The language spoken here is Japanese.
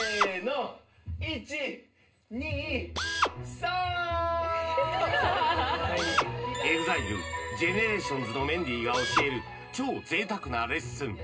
イチニサーンＥＸＩＬＥＧＥＮＥＲＡＴＩＯＮＳのメンディーが教える超贅沢なレッスン